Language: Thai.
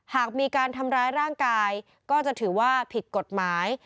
หากมีการทำร้ายร่างกายก็จะถือว่าผิดกฎหมาย